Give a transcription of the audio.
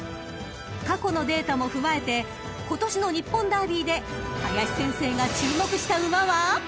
［過去のデータも踏まえて今年の日本ダービーで林先生が注目した馬は］